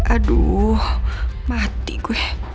aduh mati gue